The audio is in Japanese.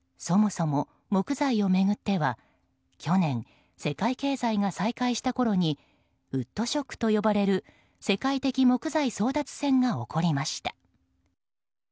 そもそも、木材を巡っては去年、世界経済が再開したころにウッドショックと呼ばれる世界的木材争奪戦が起こりました。